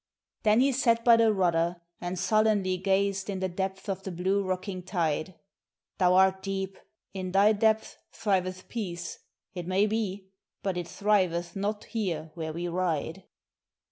Then he sat by the rudder and sullenly gazed in the depths of the blue rocking tide; "Thou art deep; in thy depths thriveth peace, it may be, but it thriveth not here where we ride.